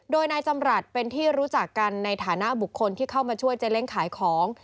โดยนายจำรัฐเป็นที่รู้จักกันในฐานะบุคคลที่เข้ามาช่วยเจ๊เล้งขายของ